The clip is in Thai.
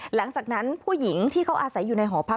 หลังจากนั้นผู้หญิงที่เขาอาศัยอยู่ในหอพัก